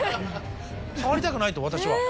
「触りたくない私は」。